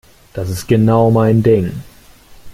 Das ist genau mein Ding.